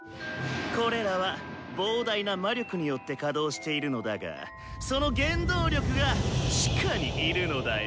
これらは膨大な魔力によって稼働しているのだがその原動力が地下に「いる」のだよ。